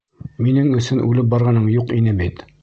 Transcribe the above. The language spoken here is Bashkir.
Минең өсөн үлеп барғаның юҡ ине бит.